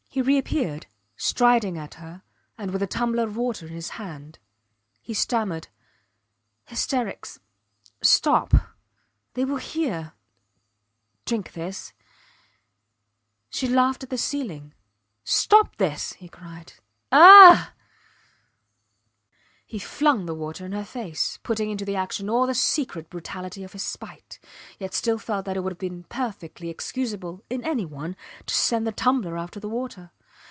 He reappeared, striding at her, and with a tumbler of water in his hand. He stammered: Hysterics Stop They will hear Drink this. She laughed at the ceiling. Stop this! he cried. Ah! He flung the water in her face, putting into the action all the secret brutality of his spite, yet still felt that it would have been perfectly excusable in any one to send the tumbler after the water.